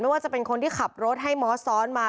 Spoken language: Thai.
ว่าจะเป็นคนที่ขับรถให้มอสซ้อนมา